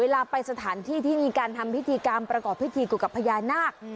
เวลาไปสถานที่ที่มีการทำพิธีกรรมประกอบพิธีเกี่ยวกับพญานาค